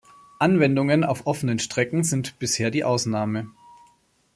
Anwendungen auf offenen Strecken sind bisher die Ausnahme.